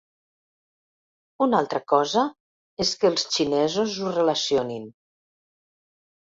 Una altra cosa és que els xinesos ho relacionin.